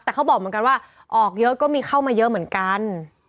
แต่เขาบอกเหมือนกันว่าออกเยอะก็มีเข้ามาเยอะเหมือนกัน